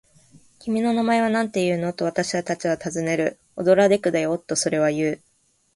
「君の名前はなんていうの？」と、私たちはたずねる。「オドラデクだよ」と、それはいう。